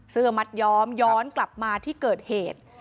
เสื้อมัดย้อมย้อนกลับมาที่เกิดเหตุ